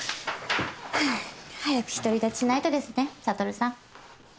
ハァ早く独り立ちしないとですね悟さん。